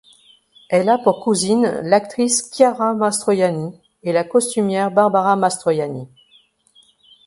Elle a pour cousine l'actrice Chiara Mastroianni et la costumière Barbara Mastroianni.